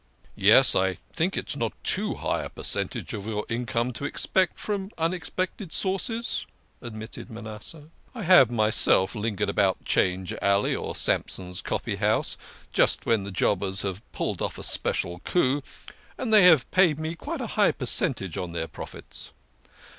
" Yes, I think it's not too high a percentage of your income to expect from unexpected sources," admitted Manasseh. " I have myself lingered about 'Change Alley or Sampson's Coffee House just when the jobbers have pulled off a special coup, and they have paid me quite a high percentage on their profits."